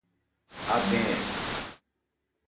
Abɛn ɛ ?